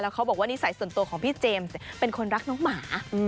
เขาบอกว่านิสัยส่วนตัวของพี่เจมส์เป็นคนรักน้องหมา